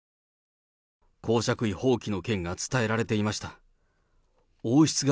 公爵位放棄の件が伝えられていました。